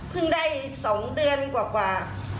เพิ่งได้๒เดือนกว่า